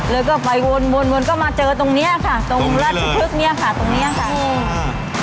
แล้วก็ไปวนก็มาเจอตรงนี้ค่ะตรงรถชุดพึกนี้ค่ะตรงนี้ค่ะ